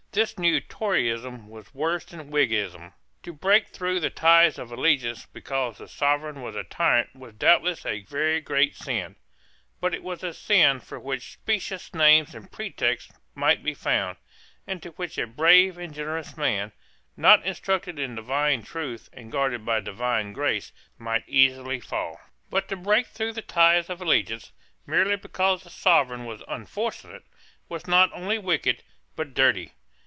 This new Toryism was worse than Whiggism. To break through the ties of allegiance because the Sovereign was a tyrant was doubtless a very great sin: but it was a sin for which specious names and pretexts might be found, and into which a brave and generous man, not instructed in divine truth and guarded by divine grace, might easily fall. But to break through the ties of allegiance, merely because the Sovereign was unfortunate, was not only wicked, but dirty.